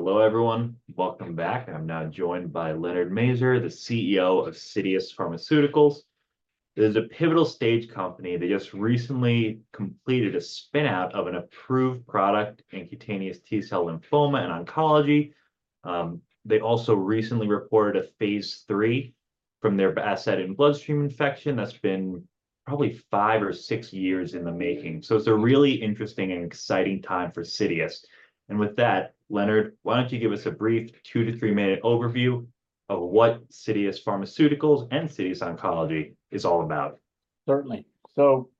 All right. Hello, everyone. Welcome back. I'm now joined by Leonard Mazur, the CEO of Citius Pharmaceuticals. It is a pivotal stage company that just recently completed a spin-out of an approved product in cutaneous T-cell lymphoma and oncology. They also recently reported a phase III from their asset in bloodstream infection that's been probably five or six years in the making. So it's a really interesting and exciting time for Citius. And with that, Leonard, why don't you give us a brief two to three-minute overview of what Citius Pharmaceuticals and Citius Oncology is all about? Certainly. So,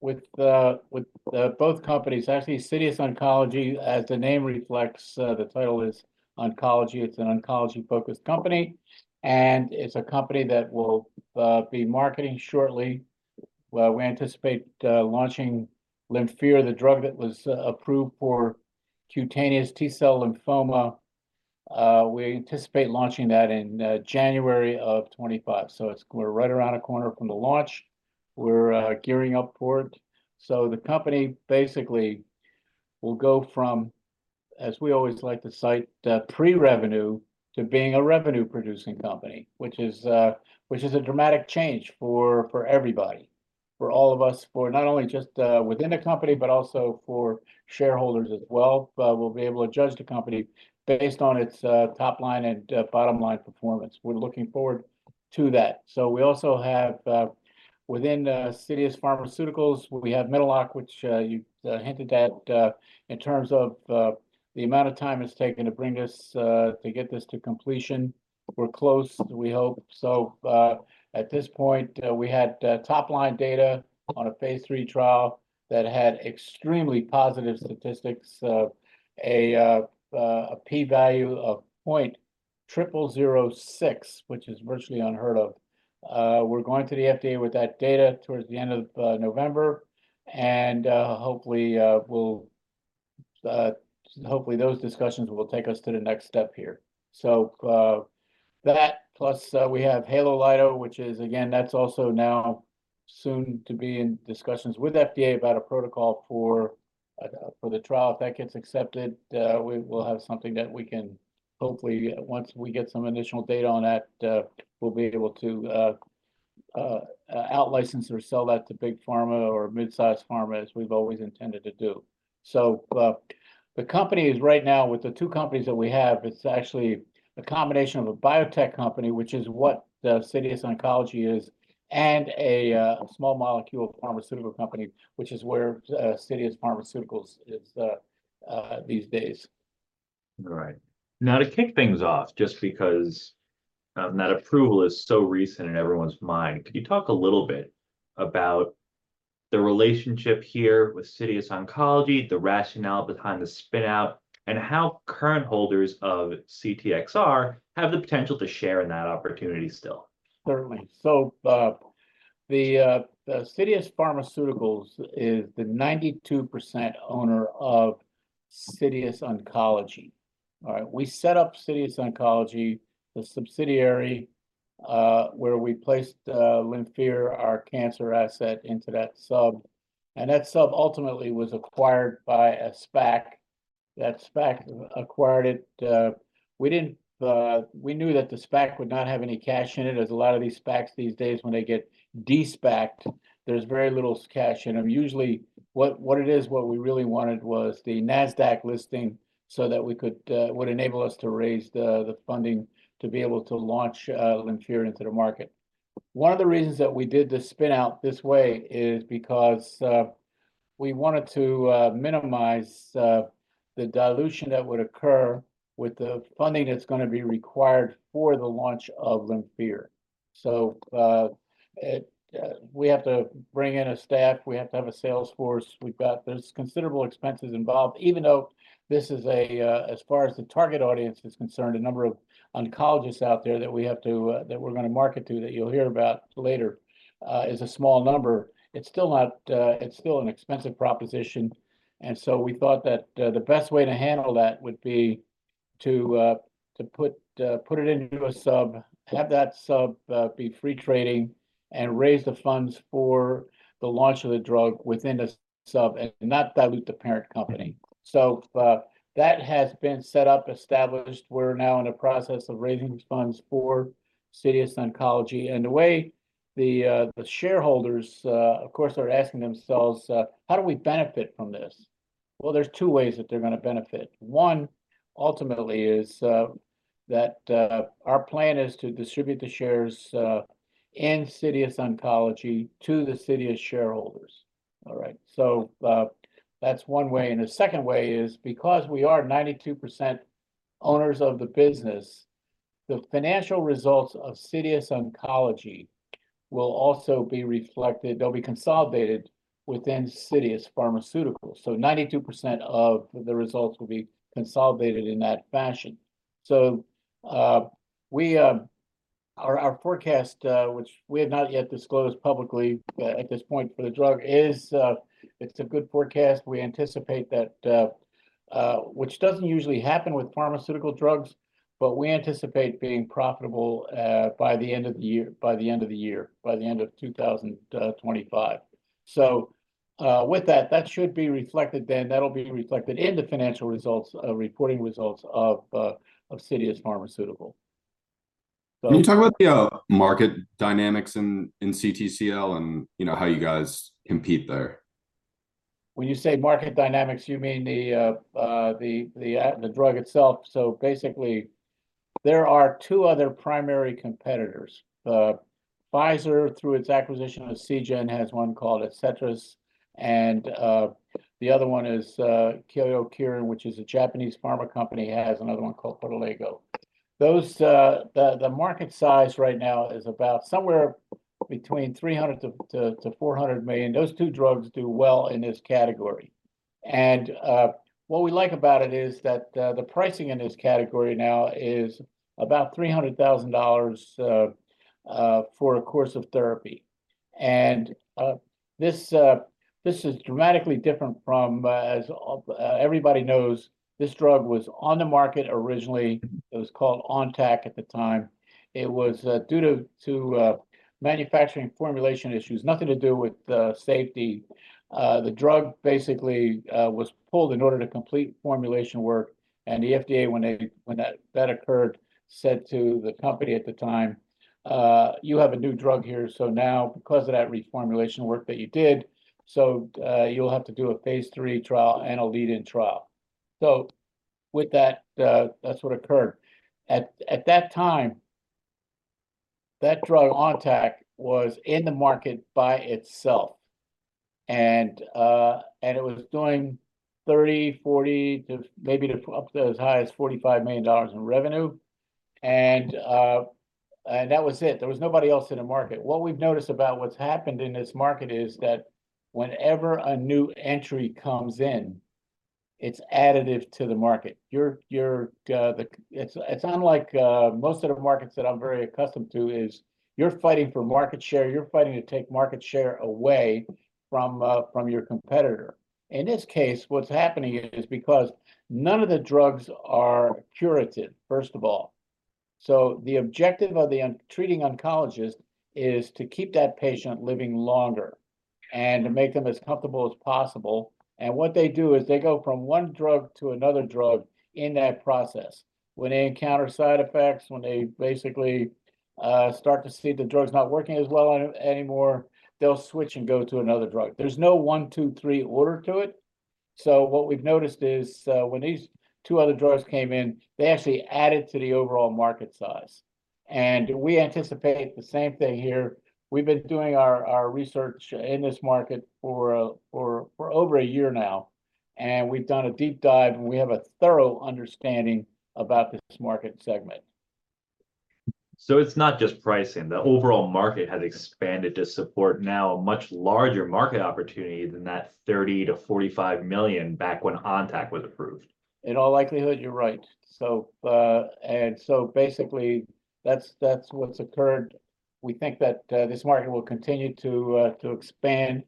with both companies, actually, Citius Oncology, as the name reflects, the title is oncology. It's an oncology-focused company, and it's a company that will be marketing shortly. We anticipate launching Lymphir, the drug that was approved for cutaneous T-cell lymphoma. We anticipate launching that in January of 2025, so we're right around the corner from the launch. We're gearing up for it. So the company basically will go from, as we always like to cite, pre-revenue to being a revenue-producing company, which is a dramatic change for everybody, for all of us, for not only just within the company, but also for shareholders as well. We'll be able to judge the company based on its top-line and bottom-line performance. We're looking forward to that. So we also have within Citius Pharmaceuticals, we have Mino-Lok, which you hinted at in terms of the amount of time it's taken to bring this- to get this to completion. We're close, we hope so. At this point, we had top-line data on a phase III trial that had extremely positive statistics, a p-value of 0.0006, which is virtually unheard of. We're going to the FDA with that data towards the end of November, and hopefully we'll... Hopefully, those discussions will take us to the next step here. So, that plus, we have Halo-Lido, which is, again, that's also now soon to be in discussions with FDA about a protocol for the trial. If that gets accepted, we will have something that we can hopefully, once we get some additional data on that, we'll be able to out-license or sell that to big pharma or mid-size pharma, as we've always intended to do. So, the company is, right now, with the two companies that we have, it's actually a combination of a biotech company, which is what the Citius Oncology is, and a small molecule pharmaceutical company, which is where Citius Pharmaceuticals is these days. All right. Now, to kick things off, just because, that approval is so recent in everyone's mind, could you talk a little bit about the relationship here with Citius Oncology, the rationale behind the spin-out, and how current holders of CTXR have the potential to share in that opportunity still? Certainly. So, the Citius Pharmaceuticals is the 92% owner of Citius Oncology. All right? We set up Citius Oncology, the subsidiary, where we placed Lymphir, our cancer asset, into that sub, and that sub ultimately was acquired by a SPAC. That SPAC acquired it. We didn't- we knew that the SPAC would not have any cash in it, as a lot of these SPACs these days, when they get de-SPAC'd, there's very little cash in them. Usually, what it is, what we really wanted was the NASDAQ listing so that we could. Would enable us to raise the funding to be able to launch Lymphir into the market. One of the reasons that we did the spin-out this way is because we wanted to minimize the dilution that would occur with the funding that's gonna be required for the launch of Lymphir. So we have to bring in a staff, we have to have a sales force. There's considerable expenses involved. Even though this is a, as far as the target audience is concerned, a number of oncologists out there that we're gonna market to, that you'll hear about later, is a small number. It's still not. It's still an expensive proposition, and so we thought that the best way to handle that would be to put it into a sub, have that sub be free trading, and raise the funds for the launch of the drug within the sub and not dilute the parent company. So, that has been set up, established. We're now in the process of raising funds for Citius Oncology. And the way the shareholders, of course, are asking themselves, "How do we benefit from this?" Well, there's two ways that they're gonna benefit. One, ultimately, is that our plan is to distribute the shares in Citius Oncology to the Citius shareholders. All right, so, that's one way, and the second way is because we are 92% owners of the business, the financial results of Citius Oncology will also be reflected. They'll be consolidated within Citius Pharmaceuticals, so 92% of the results will be consolidated in that fashion. So, we, our forecast, which we have not yet disclosed publicly, at this point for the drug, is... It's a good forecast. We anticipate that, which doesn't usually happen with pharmaceutical drugs, but we anticipate being profitable, by the end of the year, by the end of the year, by the end of 2025. So, with that, that should be reflected then, that'll be reflected in the financial results, reporting results of, of Citius Pharmaceuticals. So- Can you talk about the market dynamics in CTCL, and, you know, how you guys compete there? When you say market dynamics, you mean the drug itself? So basically, there are two other primary competitors. Pfizer, through its acquisition of Seagen, has one called Adcetris, and the other one is Kyowa Kirin, which is a Japanese pharma company, has another one called Poteligeo. Those. The market size right now is about somewhere between $300-$400 million. Those two drugs do well in this category. And what we like about it is that the pricing in this category now is about $300,000 for a course of therapy. And this is dramatically different from, as everybody knows, this drug was on the market originally. It was called Ontak at the time. It was due to manufacturing formulation issues, nothing to do with safety. The drug basically was pulled in order to complete formulation work, and the FDA, when that occurred, said to the company at the time, "You have a new drug here, so now because of that reformulation work that you did, so you'll have to do a phase III trial and a lead-in trial." So with that, that's what occurred. At that time, that drug, Ontak, was in the market by itself, and it was doing $30-$40 million to maybe up to as high as $45 million in revenue, and that was it. There was nobody else in the market. What we've noticed about what's happened in this market is that whenever a new entry comes in, it's additive to the market. It's unlike most of the markets that I'm very accustomed to, is you're fighting for market share, you're fighting to take market share away from from your competitor. In this case, what's happening is because none of the drugs are curative, first of all, so the objective of the treating oncologist is to keep that patient living longer and to make them as comfortable as possible. What they do is they go from one drug to another drug in that process. When they encounter side effects, when they basically start to see the drug's not working as well anymore, they'll switch and go to another drug. There's no one, two, three order to it. So what we've noticed is, when these two other drugs came in, they actually added to the overall market size, and we anticipate the same thing here. We've been doing our research in this market for over a year now, and we've done a deep dive, and we have a thorough understanding about this market segment. So it's not just pricing. The overall market has expanded to support now a much larger market opportunity than that $30 million - $45 million back when Ontak was approved. In all likelihood, you're right. So, and so basically, that's what's occurred. We think that this market will continue to expand,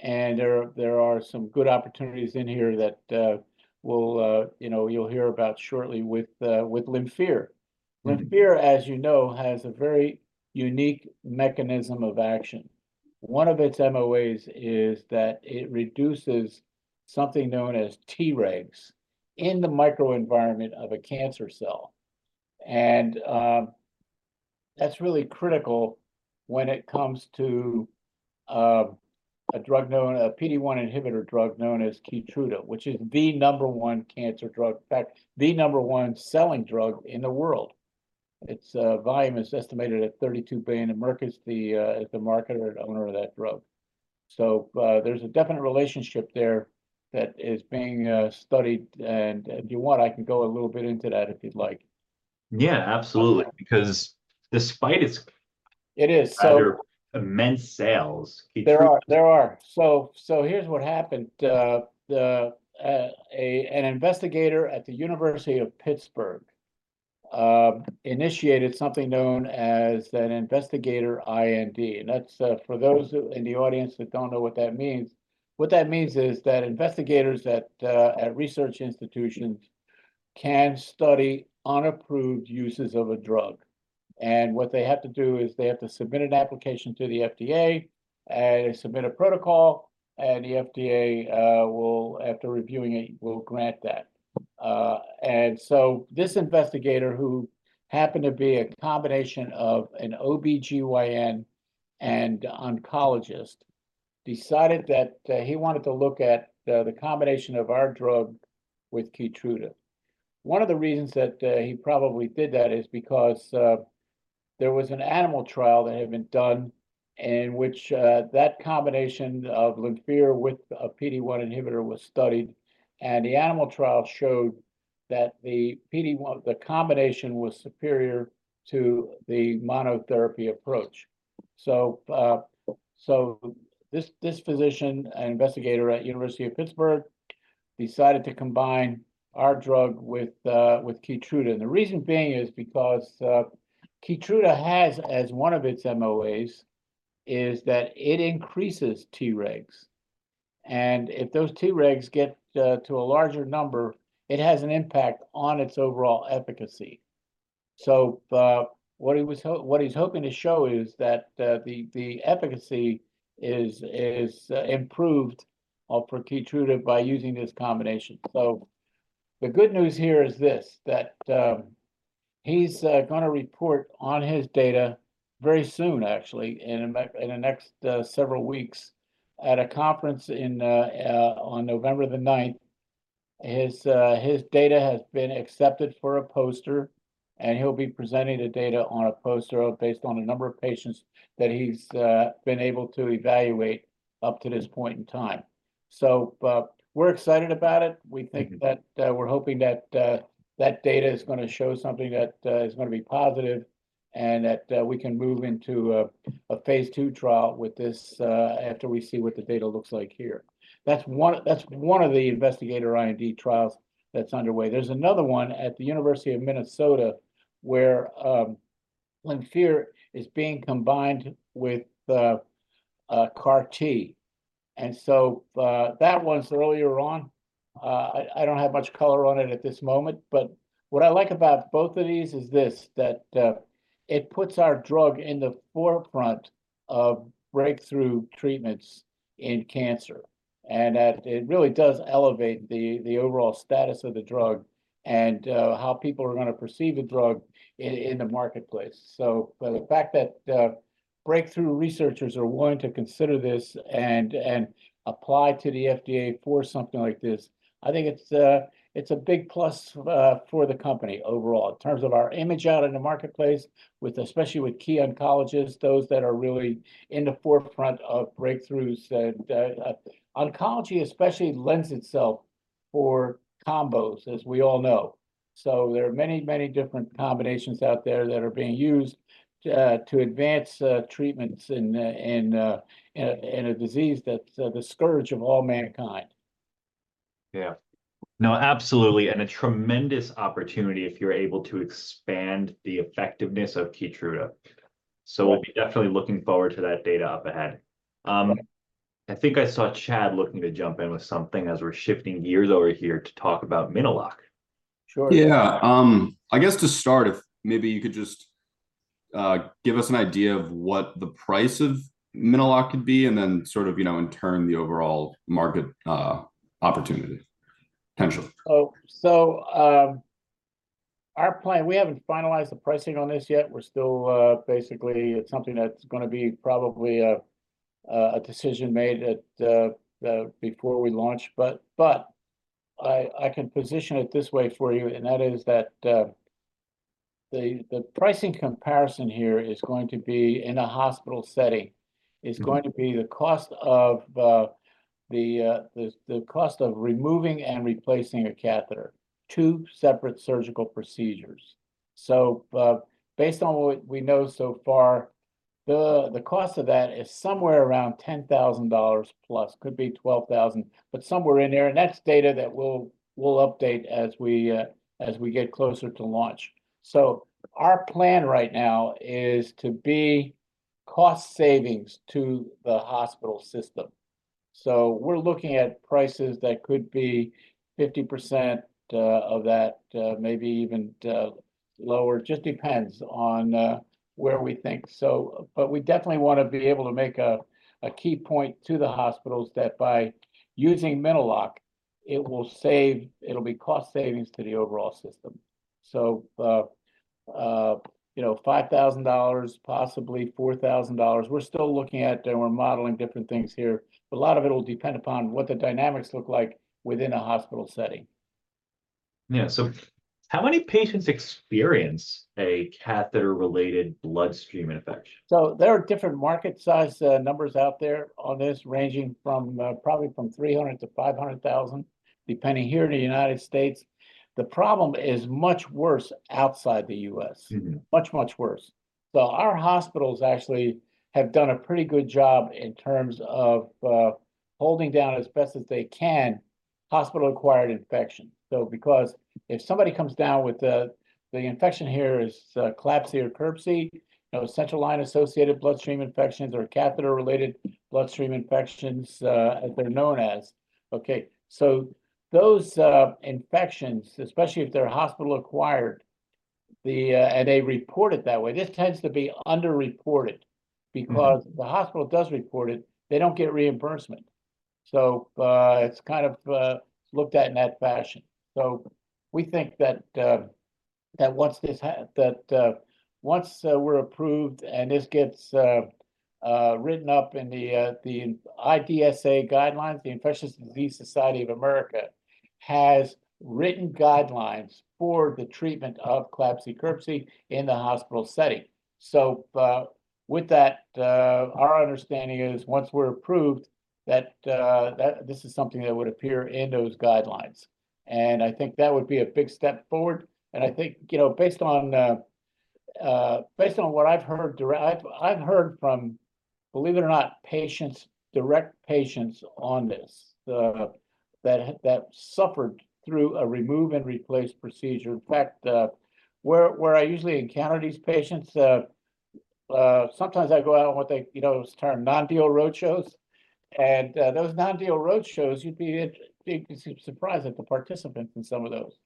and there are some good opportunities in here that we'll, you know, you'll hear about shortly with Lymphir. Mm-hmm. Lymphir, as you know, has a very unique mechanism of action. One of its MOAs is that it reduces something known as Tregs in the microenvironment of a cancer cell. And that's really critical when it comes to a drug known, a PD-1 inhibitor drug known as Keytruda, which is the number one cancer drug, in fact, the number one selling drug in the world. Its volume is estimated at $32 billion, and Merck is the marketer and owner of that drug. So there's a definite relationship there that is being studied, and if you want, I can go a little bit into that, if you'd like. Yeah, absolutely. Because despite its- It is.... immense sales, An investigator at the University of Pittsburgh initiated something known as an Investigator IND. And that's for those who in the audience that don't know what that means, what that means is that investigators at research institutions can study unapproved uses of a drug. And what they have to do is they have to submit an application to the FDA, submit a protocol, and the FDA will, after reviewing it, will grant that. And so this investigator, who happened to be a combination of an OBGYN and oncologist, decided that he wanted to look at the combination of our drug with Keytruda. One of the reasons that he probably did that is because there was an animal trial that had been done in which that combination of Lymphir with a PD-1 inhibitor was studied, and the animal trial showed that the PD-1, the combination was superior to the monotherapy approach. So this physician, an investigator at University of Pittsburgh, decided to combine our drug with Keytruda. The reason being is because Keytruda has, as one of its MOAs, is that it increases Tregs... and if those Tregs get to a larger number, it has an impact on its overall efficacy. So what he's hoping to show is that the efficacy is improved for Keytruda by using this combination. So the good news here is this, that, he's gonna report on his data very soon, actually, in the next several weeks at a conference on November the 9th. His data has been accepted for a poster, and he'll be presenting the data on a poster based on a number of patients that he's been able to evaluate up to this point in time. So, we're excited about it. Mm-hmm. We think that we're hoping that that data is gonna show something that is gonna be positive, and that we can move into a phase two trial with this after we see what the data looks like here. That's one of the Investigator IND trials that's underway. There's another one at the University of Minnesota, where Lymphir is being combined with a CAR T. And so that one's earlier on. I don't have much color on it at this moment, but what I like about both of these is that it puts our drug in the forefront of breakthrough treatments in cancer, and that it really does elevate the overall status of the drug and how people are gonna perceive the drug in the marketplace. So but the fact that breakthrough researchers are willing to consider this and apply to the FDA for something like this, I think it's a big plus for the company overall in terms of our image out in the marketplace, especially with key oncologists, those that are really in the forefront of breakthroughs. Oncology especially lends itself for combos, as we all know. So there are many, many different combinations out there that are being used to advance treatments in a disease that's the scourge of all mankind. Yeah. No, absolutely, and a tremendous opportunity if you're able to expand the effectiveness of Keytruda. Yeah. So we'll be definitely looking forward to that data up ahead. I think I saw Chad looking to jump in with something as we're shifting gears over here to talk about Mino-Lok. Sure. Yeah. I guess to start, if maybe you could just give us an idea of what the price of Mino-Lok could be, and then sort of, you know, in turn, the overall market opportunity potential. So, our plan. We haven't finalized the pricing on this yet. We're still. Basically, it's something that's gonna be probably a decision made before we launch. But I can position it this way for you, and that is that the pricing comparison here is going to be in a hospital setting. Mm. It's going to be the cost of removing and replacing a catheter, two separate surgical procedures. So, based on what we know so far, the cost of that is somewhere around $10,000 plus, could be $12,000, but somewhere in there, and that's data that we'll update as we get closer to launch. So our plan right now is to be cost savings to the hospital system. So we're looking at prices that could be 50% of that, maybe even lower. It just depends on where we think. So, but we definitely wanna be able to make a key point to the hospitals that by using Mino-Lok, it will save- it'll be cost savings to the overall system. So, you know, $5,000, possibly $4,000. We're still looking at and we're modeling different things here, but a lot of it will depend upon what the dynamics look like within a hospital setting. Yeah. So how many patients experience a catheter-related bloodstream infection? There are different market size numbers out there on this, ranging from probably 300,000 - 500,000, depending here in the United States. The problem is much worse outside the U.S. Mm-hmm. Much, much worse. So our hospitals actually have done a pretty good job in terms of, holding down, as best as they can, hospital-acquired infections. So because if somebody comes down with the, the infection here is, CLABSI or CRBSI, you know, central line-associated bloodstream infections or catheter-related bloodstream infections, they're known as. Okay, so those, infections, especially if they're hospital-acquired, the, and they report it that way, this tends to be underreported- Mm.... because the hospital does report it, they don't get reimbursement. So, it's kind of looked at in that fashion. So we think that once this that once we're approved and this gets written up in the the IDSA guidelines, the Infectious Diseases Society of America has written guidelines for the treatment of CLABSI, CRBSI in the hospital setting. So, with that, our understanding is once we're approved, that that this is something that would appear in those guidelines, and I think that would be a big step forward. And I think, you know, based on based on what I've heard direct- I've heard from, believe it or not, patients, direct patients on this, that that suffered through a remove-and-replace procedure. In fact, where, where I usually encounter these patients. Sometimes I go out on what they, you know, is termed non-deal roadshows. Those non-deal roadshows, you'd be surprised at the participants in some of those.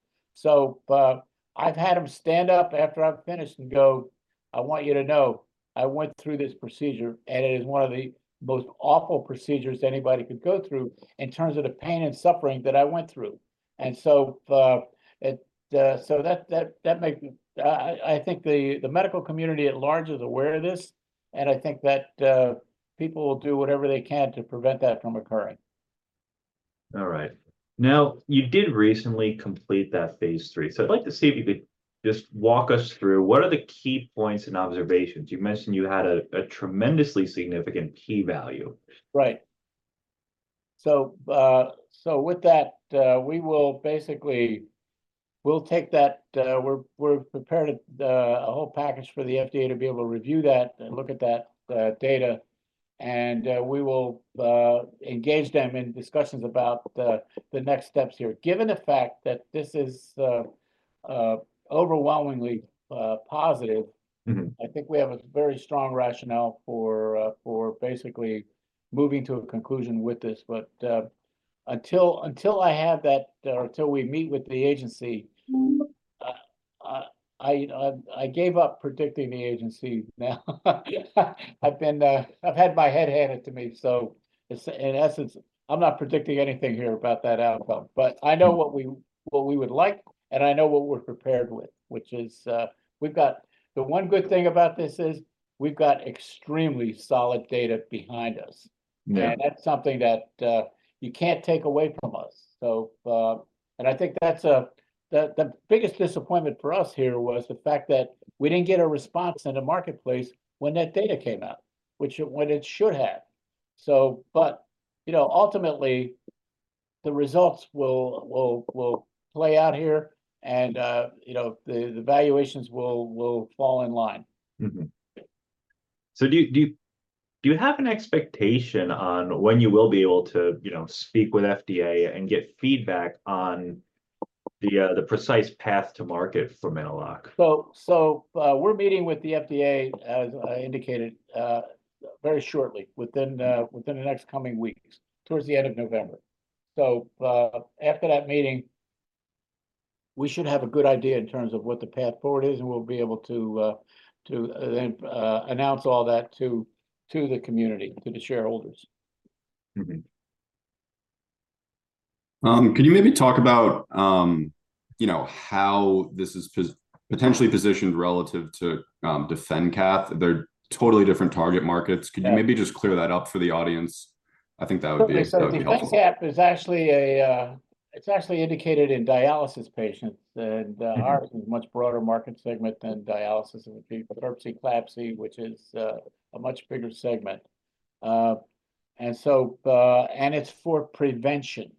I've had them stand up after I've finished and go, "I want you to know, I went through this procedure, and it is one of the most awful procedures anybody could go through in terms of the pain and suffering that I went through." So that makes the medical community at large aware of this, and I think that people will do whatever they can to prevent that from occurring. All right. Now, you did recently complete that phase III, so I'd like to see if you could just walk us through what are the key points and observations? You mentioned you had a tremendously significant p-value. Right. So, so with that, we will basically, we'll take that. We're preparing to a whole package for the FDA to be able to review that and look at that, data, and we will engage them in discussions about the next steps here. Given the fact that this is overwhelmingly positive- Mm-hmm. I think we have a very strong rationale for basically moving to a conclusion with this. But, until I have that, or until we meet with the agency, I gave up predicting the agency now. Yeah. I've been, I've had my head handed to me, so in essence, I'm not predicting anything here about that outcome. But I know what we, what we would like, and I know what we're prepared with, which is, we've got... The one good thing about this is we've got extremely solid data behind us. Yeah. That's something that you can't take away from us. I think that's the biggest disappointment for us here: the fact that we didn't get a response in the marketplace when that data came out, when it should have. But you know, ultimately, the results will play out here, and you know, the valuations will fall in line. Mm-hmm. So do you have an expectation on when you will be able to, you know, speak with FDA and get feedback on the precise path to market for Mino-Lok? So, we're meeting with the FDA, as I indicated, very shortly, within the next coming weeks, towards the end of November. So, after that meeting, we should have a good idea in terms of what the path forward is, and we'll be able to then announce all that to the community, to the shareholders. Mm-hmm. Can you maybe talk about, you know, how this is potentially positioned relative to DefenCath? They're totally different target markets. Yeah. Could you maybe just clear that up for the audience? I think that would be, that would be helpful. Okay, so DefenCath is actually a, it's actually indicated in dialysis patients, and... Mm.... Ours is a much broader market segment than dialysis. It would be CRBSI, CLABSI, which is a much bigger segment. And so, and it's for prevention.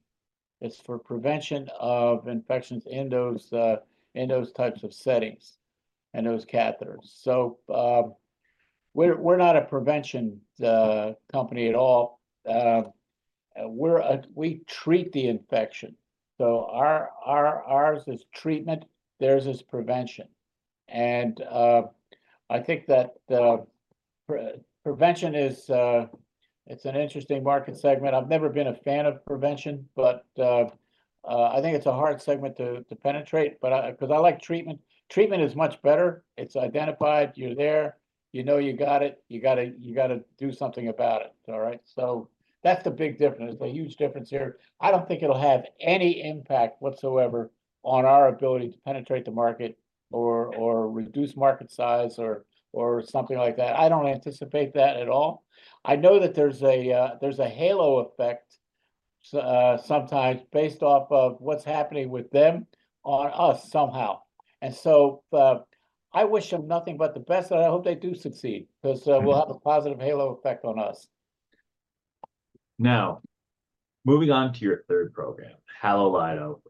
It's for prevention of infections in those, in those types of settings and those catheters. So, we're, we're not a prevention, company at all. We're a, we treat the infection, so our, our, ours is treatment, theirs is prevention. And, I think that, pre, prevention is, it's an interesting market segment. I've never been a fan of prevention, but, I think it's a hard segment to, to penetrate, but I, 'cause I like treatment. Treatment is much better. It's identified, you're there, you know you got it. You gotta, you gotta do something about it, all right? So that's the big difference. There's a huge difference here. I don't think it'll have any impact whatsoever on our ability to penetrate the market or reduce market size or something like that. I don't anticipate that at all. I know that there's a halo effect so sometimes based off of what's happening with them on us somehow, and so I wish them nothing but the best, and I hope they do succeed. Mm. Because, we'll have a positive halo effect on us. Now, moving on to your third program, Halo-Lido.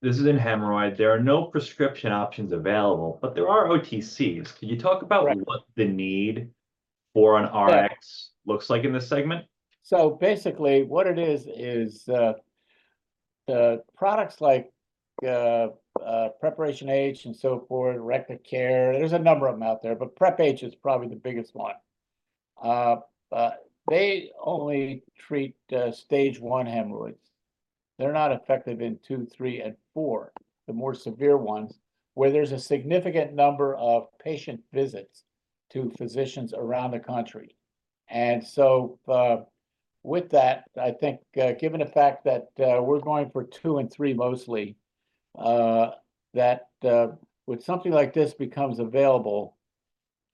This is in hemorrhoid. There are no prescription options available, but there are OTCs. Right. Can you talk about what the need for an Rx- Right.... looks like in this segment? So basically, what it is is products like Preparation H and so forth, RectiCare, there's a number of them out there, but Prep H is probably the biggest one. They only treat stage one hemorrhoids. They're not effective in two, three, and four, the more severe ones, where there's a significant number of patient visits to physicians around the country. And so, with that, I think, given the fact that, we're going for two and three mostly, that, when something like this becomes available,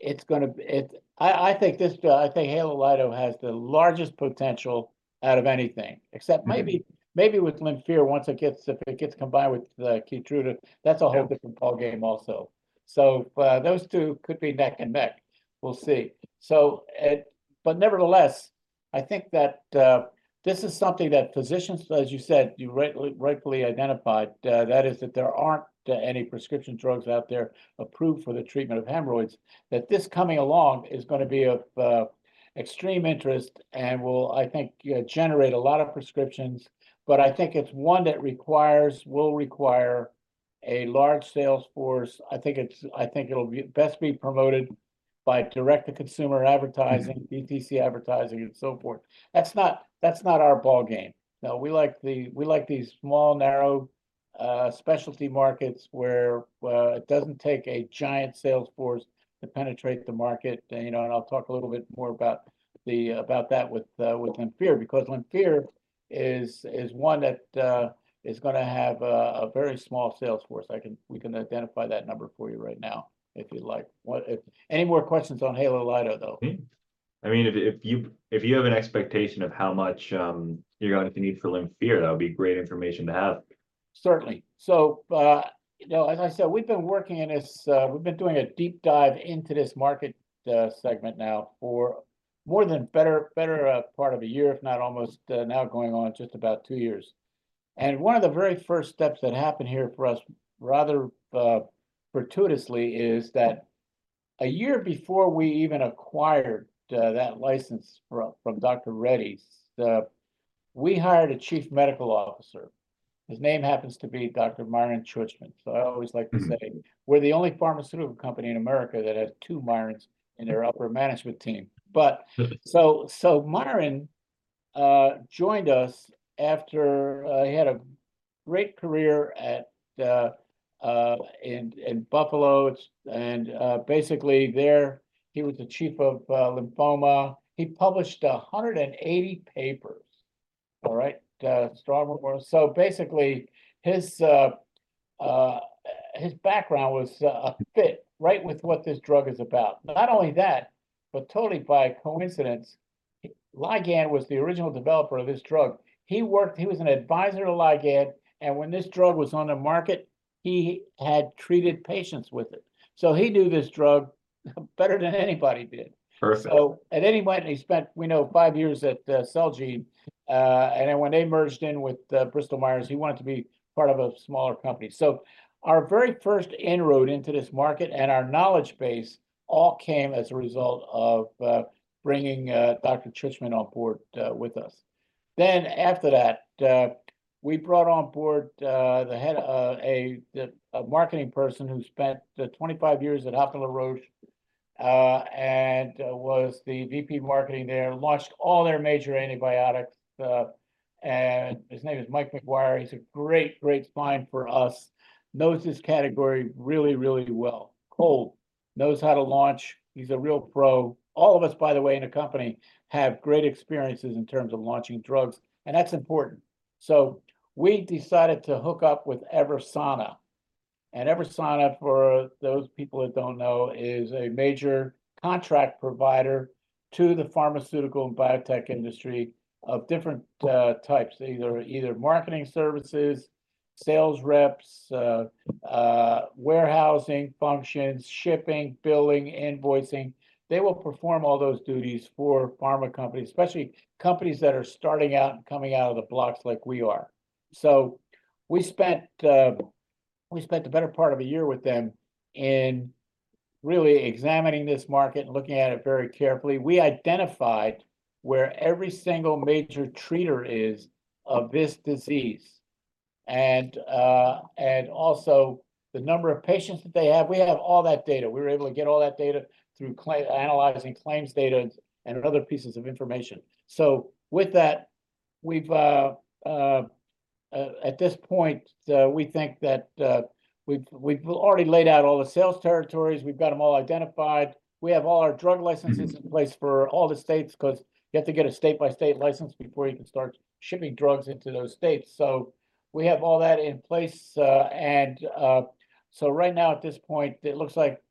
it's gonna, it, I, I think this, I think Halo-Lido has the largest potential out of anything. Mm. Except maybe with Lymphir, once it gets, if it gets combined with Keytruda. That's a whole different ballgame also. So, those two could be neck and neck. We'll see. But nevertheless, I think that this is something that physicians, as you said, you rightly, rightfully identified, that there aren't any prescription drugs out there approved for the treatment of hemorrhoids, that this coming along is gonna be a extreme interest and will, I think, generate a lot of prescriptions, but I think it's one that requires, will require a large sales force. I think it'll be best promoted by direct-to-consumer advertising- Mm-hmm.... DTC advertising, and so forth. That's not, that's not our ballgame. No, we like the, we like these small, narrow, specialty markets where it doesn't take a giant sales force to penetrate the market. And, you know, and I'll talk a little bit more about the, about that with, with Lymphir, because Lymphir is, is one that is gonna have a, a very small sales force. We can identify that number for you right now, if you'd like. What... Any more questions on Halo-Lido, though? I mean, if you have an expectation of how much you're going to need for Lymphir, that would be great information to have. Certainly. So, you know, as I said, we've been working in this. We've been doing a deep dive into this market segment now for more than the better part of a year, if not almost now going on just about two years. And one of the very first steps that happened here for us, rather fortuitously, is that a year before we even acquired that license from Dr. Reddy's, we hired a chief medical officer. His name happens to be Dr. Myron Czuczman. So I always like to say- Mm.... we're the only pharmaceutical company in America that has two Myrons in their upper management team. But so Myron joined us after he had a great career in Buffalo. And basically there, he was the chief of lymphoma. He published 180 papers. All right? Strong rapport. So basically, his background was a fit, right, with what this drug is about. Not only that, but totally by coincidence, Ligand was the original developer of this drug. He was an advisor to Ligand, and when this drug was on the market, he had treated patients with it. So he knew this drug better than anybody did. Perfect. At any rate, he spent five years at Celgene. And then when they merged in with Bristol Myers, he wanted to be part of a smaller company. Our very first inroad into this market and our knowledge base all came as a result of bringing Dr. Czuczman on board with us. Then after that, we brought on board the head, a marketing person who spent 25 years at Hoffmann-La Roche, and was the VP Marketing there, and launched all their major antibiotics. And his name is Mike McGuire. He's a great, great spine for us. Knows his category really, really well. Cold. Knows how to launch. He's a real pro. All of us, by the way, in the company, have great experiences in terms of launching drugs, and that's important. So we decided to hook up with Eversana. Eversana, for those people that don't know, is a major contract provider to the pharmaceutical and biotech industry of different types. Either marketing services, sales reps, warehousing functions, shipping, billing, invoicing. They will perform all those duties for pharma companies, especially companies that are starting out and coming out of the blocks like we are. We spent the better part of a year with them in really examining this market and looking at it very carefully. We identified where every single major treater is of this disease, and also the number of patients that they have. We have all that data. We were able to get all that data through analyzing claims data and other pieces of information. So with that, we've... At this point, we think that we've already laid out all the sales territories. We've got them all identified. We have all our drug licenses- Mm-hmm.... in place for all the states, 'cause you have to get a state-by-state license before you can start shipping drugs into those states. So we have all that in place, and so right now, at this point, it looks like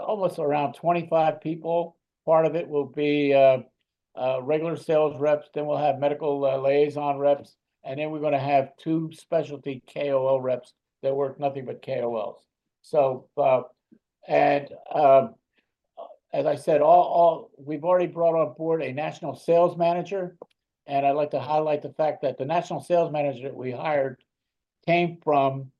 almost around 25 people, part of it will be regular sales reps, then we'll have medical liaison reps, and then we're gonna have two specialty KOL reps that work nothing but KOLs, and as I said, all... We've already brought on board a national sales manager, and I'd like to highlight the fact that the national sales manager that we hired came from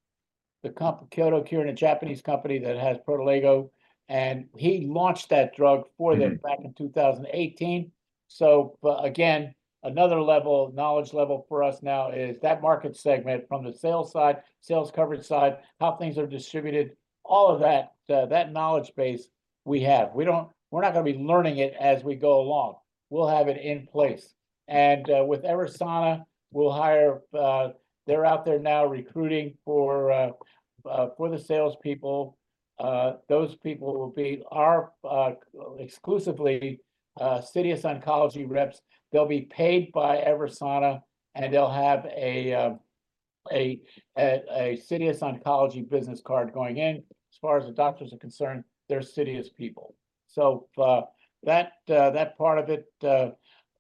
Kyowa Kirin, a Japanese company that has Poteligeo, and he launched that drug for them- Mm.... back in 2018. So, but again, another level, knowledge level for us now is that market segment from the sales side, sales coverage side, how things are distributed, all of that, that knowledge base we have. We don't- we're not gonna be learning it as we go along. We'll have it in place. And, with Eversana, we'll hire, they're out there now recruiting for the sales people. Those people will be, are, exclusively, Citius Oncology reps. They'll be paid by Eversana, and they'll have a Citius Oncology business card going in. As far as the doctors are concerned, they're Citius people. So, that, that part of it...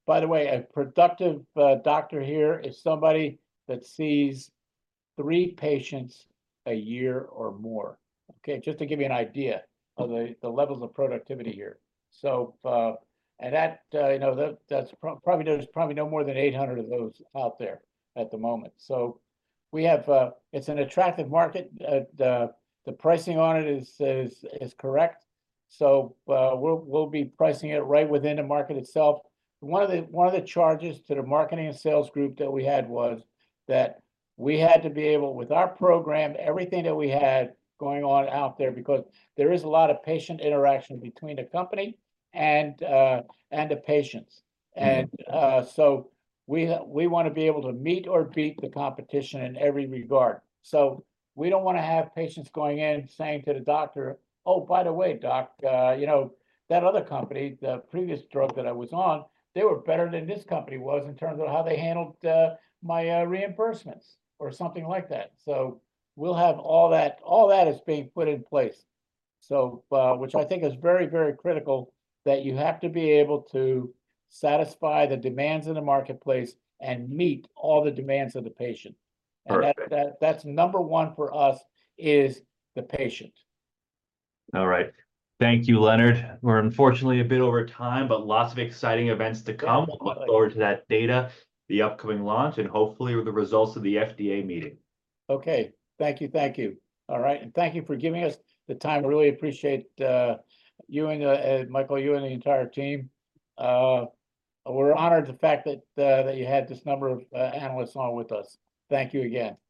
By the way, a productive doctor here is somebody that sees three patients a year or more, okay? Just to give you an idea of the levels of productivity here. So, and that, you know, that's probably no more than 800 of those out there at the moment. So we have, it's an attractive market. The pricing on it is correct, so, we'll be pricing it right within the market itself. One of the charges to the marketing and sales group that we had was that we had to be able, with our program, everything that we had going on out there, because there is a lot of patient interaction between the company and the patients. Mm. We want to be able to meet or beat the competition in every regard. We do not want to have patients going in, saying to the doctor, "Oh, by the way, Doc, you know, that other company, the previous drug that I was on, they were better than this company was in terms of how they handled my reimbursements," or something like that. We'll have all that in place. All that is being put in place, which I think is very, very critical, that you have to be able to satisfy the demands in the marketplace and meet all the demands of the patient. Perfect. That's number one for us, is the patient. All right. Thank you, Leonard. We're unfortunately a bit over time, but lots of exciting events to come. Okay. Look forward to that data, the upcoming launch, and hopefully with the results of the FDA meeting. Okay. Thank you, thank you. All right, and thank you for giving us the time. I really appreciate you and Michael, you and the entire team. We're honored the fact that that you had this number of analysts on with us. Thank you again.